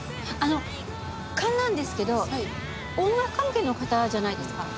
あの勘なんですけど音楽関係の方じゃないですか？